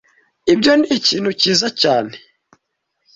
Ibyo ni ikintu cyiza cyane.